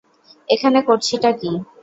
এখানে করছিটা কী?